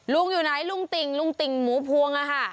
อยู่ไหนลุงติ่งลุงติ่งหมูพวงอะค่ะ